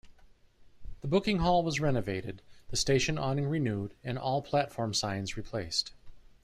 The booking hall was renovated, the station awning renewed, and all platform signs replaced.